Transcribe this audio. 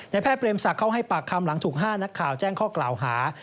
แพทย์เบรมศักดิ์เขาให้ปากคำหลังถูก๕นักข่าวแจ้งข้อกล่าวหา